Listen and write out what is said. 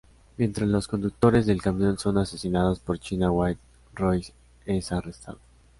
Mientras los conductores del camión son asesinados por China White, Roy es arrestado.